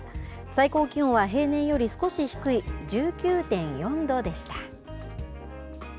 最高気温は平年より少し低い１９．４度でした。